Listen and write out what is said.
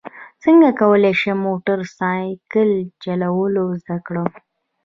څنګه کولی شم موټر سایکل چلول زده کړم